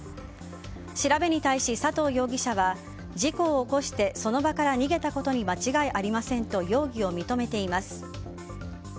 調べに対し佐藤容疑者は事故を起こしてその場から逃げたことに間違いありませんと容疑を認めています。